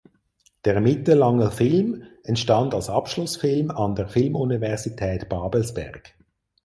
Der mittellange Film entstand als Abschlussfilm an der Filmuniversität Babelsberg.